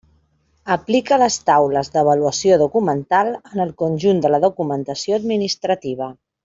Aplica les taules d'avaluació documental en el conjunt de la documentació administrativa.